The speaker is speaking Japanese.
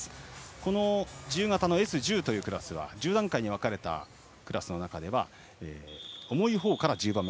この自由形のＳ１０というクラスは１０段階に分かれたクラス分けの中では重いほうから１０番目。